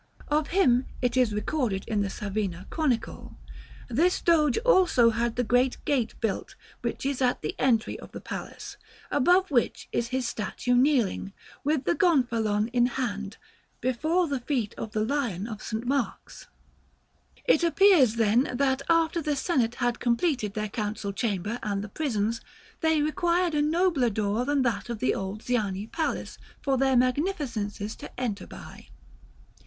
Of him it is recorded in the Savina Chronicle: "This Doge also had the great gate built which is at the entry of the palace, above which is his statue kneeling, with the gonfalon in hand, before the feet of the Lion of St. Mark's." § XVII. It appears, then, that after the Senate had completed their Council Chamber and the prisons, they required a nobler door than that of the old Ziani Palace for their Magnificences to enter by.